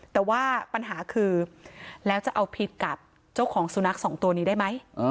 แต่ว่าปัญหาคือแล้วจะเอาผิดกับเจ้าของสุนัขสองตัวนี้ได้ไหม